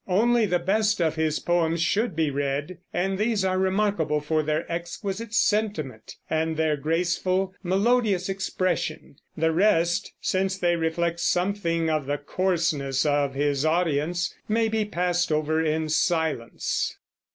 Only the best of his poems should be read; and these are remarkable for their exquisite sentiment and their graceful, melodious expression. The rest, since they reflect something of the coarseness of his audience, may be passed over in silence.